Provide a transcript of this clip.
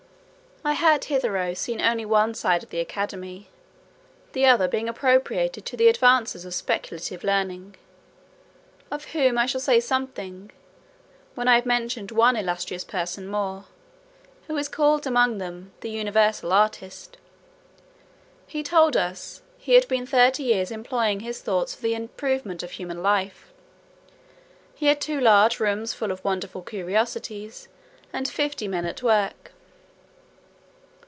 I had hitherto seen only one side of the academy, the other being appropriated to the advancers of speculative learning, of whom I shall say something, when I have mentioned one illustrious person more, who is called among them "the universal artist." He told us "he had been thirty years employing his thoughts for the improvement of human life." He had two large rooms full of wonderful curiosities, and fifty men at work.